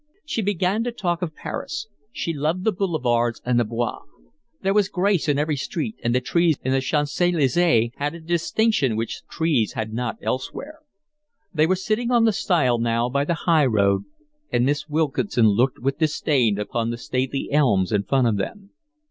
She began to talk of Paris. She loved the boulevards and the Bois. There was grace in every street, and the trees in the Champs Elysees had a distinction which trees had not elsewhere. They were sitting on a stile now by the high road, and Miss Wilkinson looked with disdain upon the stately elms in front of them.